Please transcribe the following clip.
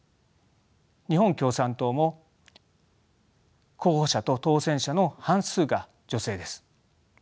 日本共産党も候補者と当選者の半数が女性です。